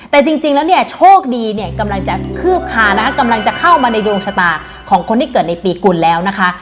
แต่จริงแล้วเนี่ยโชคดีเนี่ยกำลังจะคืบคานะคะกำลังจะเข้ามาในดวงชะตาของคนที่เกิดในปีกุลแล้วนะคะ